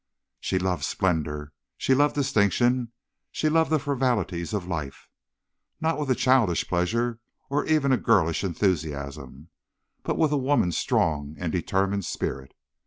"She loved splendor, she loved distinction, she loved the frivolities of life. Not with a childish pleasure or even a girlish enthusiasm, but with a woman's strong and determined spirit.